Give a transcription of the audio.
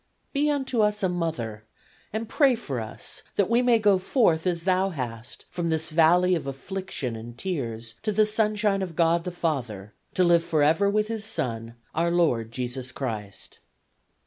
Be unto us a mother and pray for us that we may go forth as thou hast from this valley of affliction and tears to the sunshine of God the Father, to live forever with His Son, our Lord, Jesus Christ."